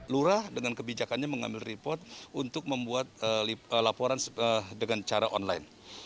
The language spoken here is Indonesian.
lurah dengan kebijakannya mengambil report untuk membuat laporan dengan cara online